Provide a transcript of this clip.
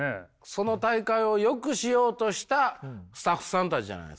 その大会をよくしようとしたスタッフさんたちじゃないですか？